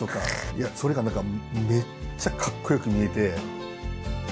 いやそれが何かめっちゃかっこよく見えて。